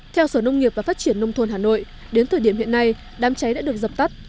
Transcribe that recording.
theo sở nông nghiệp và phát triển nông thôn hà nội đến thời điểm hiện nay đám cháy đã được dập tắt